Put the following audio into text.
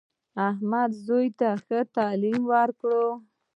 احمد زامنو ته ښه تعلیم وکړ.